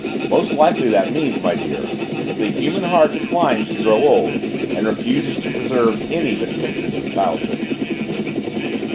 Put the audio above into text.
Most likely that means, my dear, that the human heart declines to grow old and refuses to preserve any but pictures of childhood."